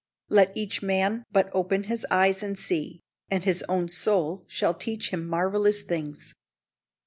Let each man but open his eyes and see, and his own soul shall teach him marvellous things.